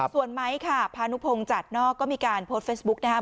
ส่วนไม้ค่ะพานุพงศ์จัดนอกก็มีการโพสต์เฟซบุ๊คนะครับ